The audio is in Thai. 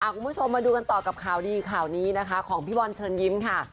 คุณผู้ชมมาดูกันต่อกับข่าวดีข่าวนี้นะคะของพี่บอลเชิญยิ้มค่ะ